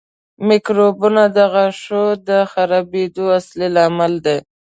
میکروبونه د غاښونو د خرابېدو اصلي لامل دي.